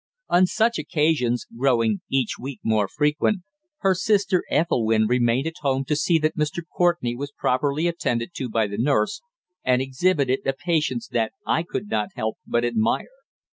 On such occasions, growing each week more frequent, her sister Ethelwynn remained at home to see that Mr. Courtenay was properly attended to by the nurse, and exhibited a patience that I could not help but admire.